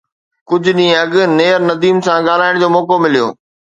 ڪجهه ڏينهن اڳ نيئر نديم سان ڳالهائڻ جو موقعو مليو